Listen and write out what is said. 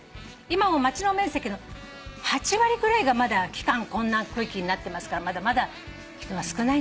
今も町の面積の８割ぐらいがまだ帰還困難区域になってますからまだまだ人は少ないんですけれども。